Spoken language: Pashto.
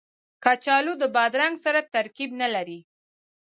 کچالو د بادرنګ سره ترکیب نه لري